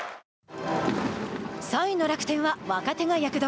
３位の楽天は若手が躍動。